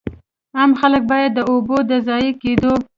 عام خلک باید د اوبو د ضایع کېدو.